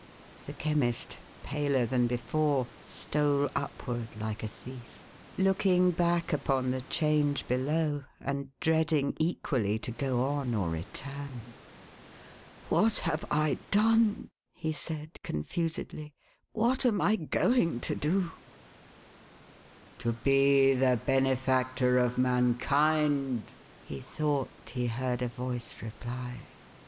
The Chemist, paler than before, stole upward like a thief; looking back upon the change below, and dreading equally to go on or return. " What have I done !" he said, confusedly. " What am I going to do !"" To be the benefactor of mankind,'1 he thought he heard a voice reply.